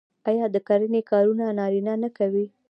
آیا د کرنې کارونه نارینه نه کوي؟